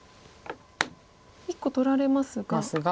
１個取られますが。